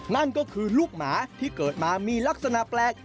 นั่นก็คือลูกหมาที่เกิดมามีลักษณะแปลก